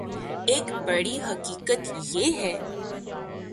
ایک بڑی حقیقت یہ ہے